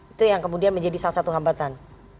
itu yang kemudian menjadi salah satu hambatan